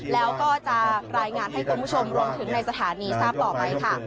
แล้วก็จะรายงานให้คุณผู้ชมรวมถึงในสถานีทราบต่อไปค่ะ